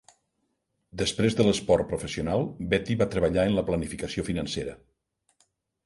Després de l'esport professional, Beaty va treballar en la planificació financera.